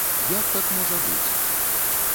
Як так можа быць?!